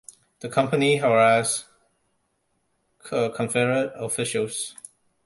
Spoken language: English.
The company harassed Confederate officials.